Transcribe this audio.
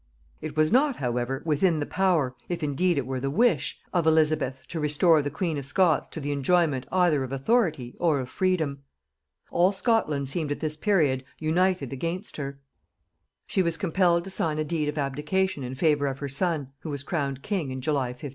It was not however within the power, if indeed it were the wish, of Elizabeth to restore the queen of Scots to the enjoyment either of authority or of freedom. All Scotland seemed at this period united against her; she was compelled to sign a deed of abdication in favor of her son, who was crowned king in July 1567.